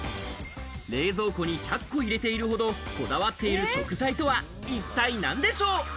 冷蔵庫に１００個入れているほどこだわっている食材とは一体何でしょう？